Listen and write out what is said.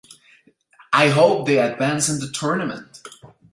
I hope they advance in the tournament.